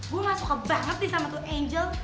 gue gak suka banget nih sama tuh angel